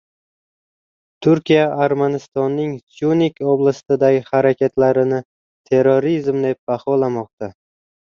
Turkiya Armanistonning Syunik oblastidagi harakatlarini terrorizm deb baholamoqda